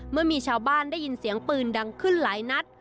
เมื่อมีชาวบ้านได้ยินเสียงปืนดังขึ้นหลายนัด